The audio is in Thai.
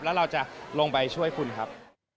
แล้วเราจะลงไปช่วยคุณครับ